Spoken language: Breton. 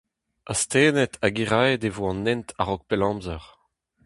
Astennet hag hiraet e vo an hent a-raok pell amzer.